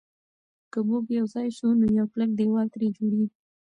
که موږ یو ځای شو نو یو کلک دېوال ترې جوړېږي.